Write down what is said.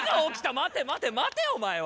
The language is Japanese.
待て待て待てお前は。